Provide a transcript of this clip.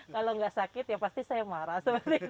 kalau nggak sakit ya pasti saya marah seperti itu